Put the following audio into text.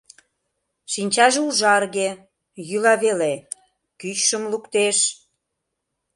Шинчаже ужарге, йӱла веле, кӱчшым луктеш...